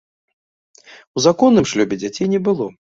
У законным шлюбе дзяцей не было.